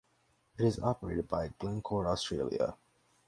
It is operated by Glencore Australia.